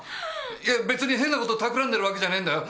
いや別に変なこと企んでるわけじゃねえんだよ。